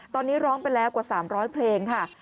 ตอนนี้ร้องไปแล้วกว่า๓๐๐เพลงค่ะ